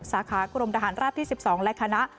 สาขากรมทหารราบที่๑๒และคณะ